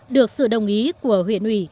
được sự đồng ý của huyện ủy